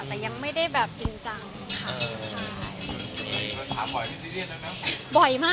แต่ยังไม่ได้แบบจริงจังค่ะ